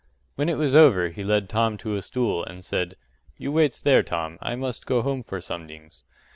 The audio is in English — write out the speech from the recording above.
When it was over he led Tom to a stool and said, “You waits there, Tom. I must go home for somedings.